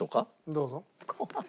どうぞ。